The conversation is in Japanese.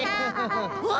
うわ！